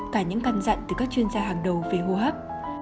cả những căn dặn từ các chuyên gia hàng đầu về hô hấp